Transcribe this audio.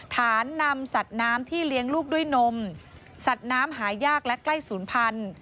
ฐานนำสัตว์น้ำที่เลี้ยงลูกด้วยนมสัตว์น้ำหายากและใกล้ศูนย์พันธุ์